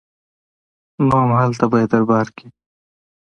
نو هملته به يې دربار کې